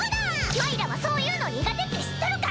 まいらはそういうの苦手って知っとるか！？